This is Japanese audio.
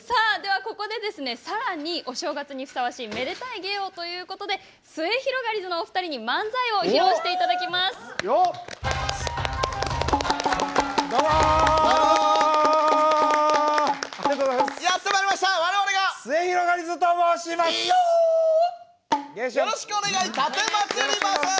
ここで、さらにお正月にふさわしいめでたい芸をということですゑひろがりずのお二人に漫才を披露していただきます。